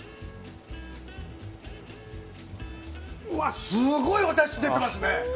うわっ、すごいおだし出てますね！